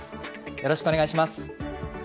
よろしくお願いします。